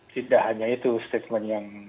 tidak hanya itu statement yang